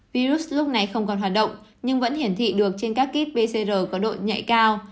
virus lúc này không còn hoạt động nhưng vẫn hiển thị được trên các kit pcr có độ nhạy cao